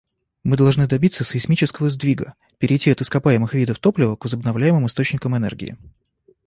Мы должны добиться сейсмического сдвига — перейти от ископаемых видов топлива к возобновляемым источникам энергии.